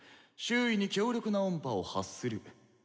周囲に強力な音波を発する。